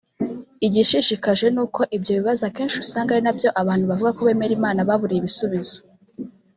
Igishishikaje ni uko ibyo bibazo akenshi usanga ari na byo abantu bavuga ko bemera Imana baburiye ibisubizo